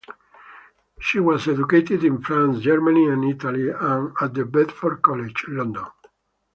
She was educated in France, Germany, and Italy, and at Bedford College, London.